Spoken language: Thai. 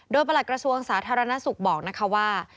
โดยประหลักกระทรวงสาธารณสุขบอกนะคะว่า